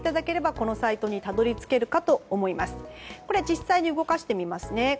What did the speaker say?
これ、実際に動かしてみますね。